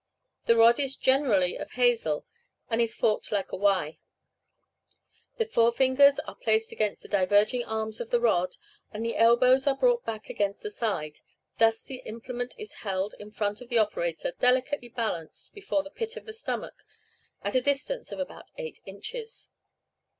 The rod is generally of hazel, and is forked like a Y; the forefingers are placed against the diverging arms of the rod, and the elbows are brought back against the side; thus the implement is held in front of the operator, delicately balanced before the pit of the stomach at a distance of about eight inches.